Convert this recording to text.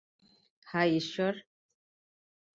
হায়, ইশ্বর।